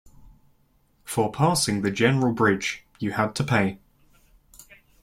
For passing the general bridge, you had to pay.